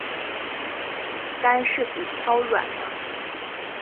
干柿子挑软的